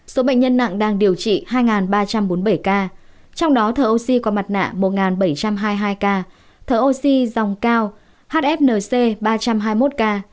số bệnh nhân nặng đang điều trị hai ba trăm bốn mươi bảy ca trong đó thở oxy qua mặt nạ một bảy trăm hai mươi hai ca thở oxy dòng cao hfnc ba trăm hai mươi một ca